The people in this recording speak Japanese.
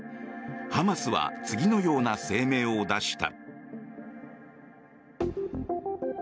ハマスは次のような声明を出した。